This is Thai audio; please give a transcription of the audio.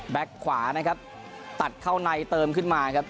ขวานะครับตัดเข้าในเติมขึ้นมาครับ